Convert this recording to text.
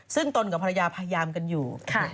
ซึ่งตนกับภรรยาพยายามกันอยู่